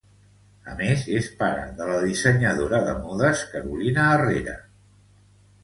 A més, és pare de la dissenyadora de modes Carolina Herrera.